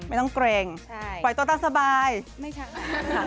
ไม่ต้องเกรงใช่ปล่อยตัวตาสบายไม่ใช่ค่ะ